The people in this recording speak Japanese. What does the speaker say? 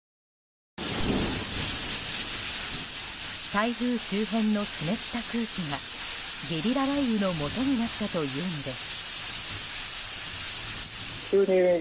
台風周辺の湿った空気がゲリラ雷雨のもとになったというのです。